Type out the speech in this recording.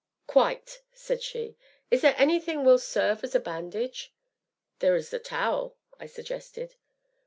"Quite!" said she; "is there anything will serve as a bandage?" "There is the towel!" I suggested.